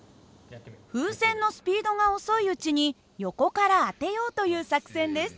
風船のスピードが遅いうちに横から当てようという作戦です。